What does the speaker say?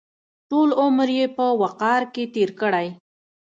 ټول عمر یې په وقار کې تېر کړی.